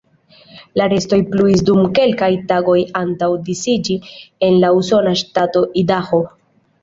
La restoj pluis dum kelkaj tagoj antaŭ disiĝi en la usona ŝtato Idaho.